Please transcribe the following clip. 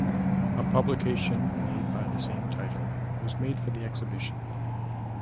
A publication by the same title was made for the exhibition.